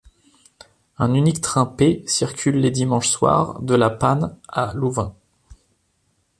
Un unique train P circule les dimanches soirs de La Panne à Louvain.